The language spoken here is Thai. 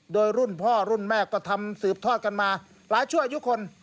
โดยรุ่นพ่อรุ่นแม่ก็ทำสืบทอดกันมาหลายชั่วอายุคน